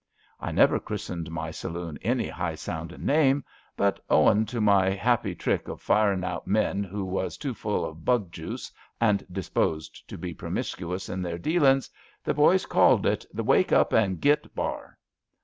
I never christened my saloon any high soundin' name, but owing to my happy trick of firing out men Who was too full of bug juice and disj^osed to be pro miscuous in their dealin's, the boys called it ^ The Wake Up an' Git Bar.'